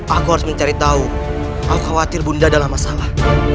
aku harus mencari tahu aku khawatir bunda adalah masalah